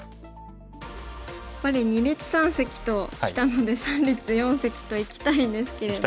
やっぱり二立三析ときたので三立四析といきたいんですけれども。